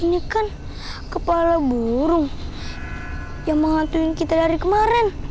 ini kan kepala burung yang menghantui kita dari kemarin